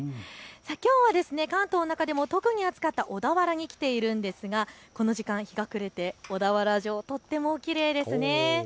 きょうは関東の中でも特に暑かった小田原に来ているんですがこの時間、日が暮れて小田原城、とってもきれいです。